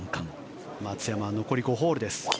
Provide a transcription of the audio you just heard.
松山は残り５ホールです。